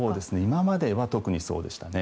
今までは特にそうでしたね。